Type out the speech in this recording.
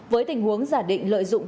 với tình huống giả định lợi dụng